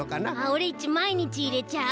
オレっちまいにちいれちゃう。